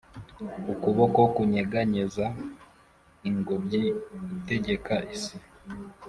ukuboko kunyeganyeza ingobyi itegeka isi